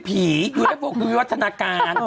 ผีอยู่ในโปรคุมวิวัฒนาการ